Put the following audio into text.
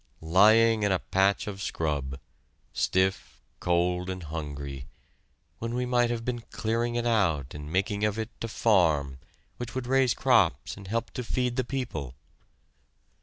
Lying in a patch of scrub, stiff, cold, and hungry, when we might have been clearing it out and making of it a farm which would raise crops and help to feed the people!